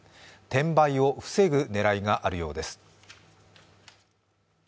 転売を防ぐ狙いがあるようです。